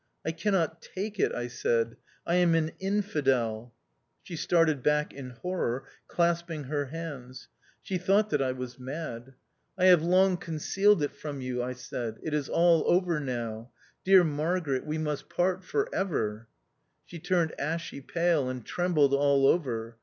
" I cannot take it," I said ;" I am an infidel." She started back in horror, clasping her hands. She thought that I was mad. 124 • THE OUTCAST. " I have long concealed it from you," I said. " It is all over now. Dear Margaret, we must part — for ever." She turned ashy pale and trembled all over.